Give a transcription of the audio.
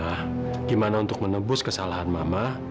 bagaimana untuk menebus kesalahan mama